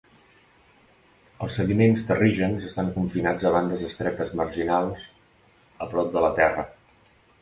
Els sediments terrígens estan confinats a bandes estretes marginals a prop de la terra.